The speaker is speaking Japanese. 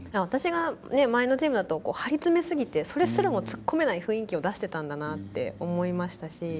私が前のチームだと張り詰めすぎてそれすらも突っ込めない雰囲気を出してたんだなって思いましたし。